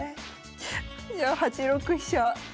じゃあ８六飛車。